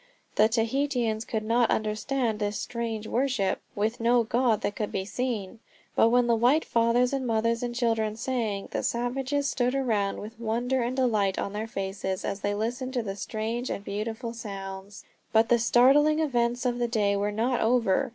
The Tahitians could not understand this strange worship, with no god that could be seen. But when the white fathers and mothers and children sang, the savages stood around with wonder and delight on their faces as they listened to the strange and beautiful sounds. But the startling events of the day were not over.